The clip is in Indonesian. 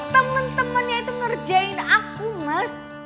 temen temennya itu ngerjain aku mas